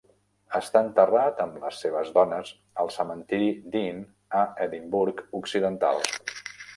Està enterrat amb les seves dones al Cementeri Dean a Edinburgh occidental.